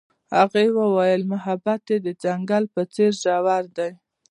هغې وویل محبت یې د ځنګل په څېر ژور دی.